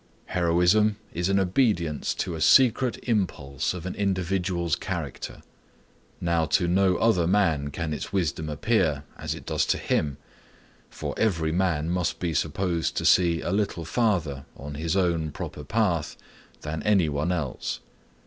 Heroism is an obedience to a secret impulse of an individual's character. Now to no other man can its wisdom appear as it does to him, for every man must be supposed to see a little farther on his own proper path than any one else.